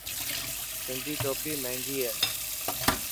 سنڌي ٽوپي مهنگي هي.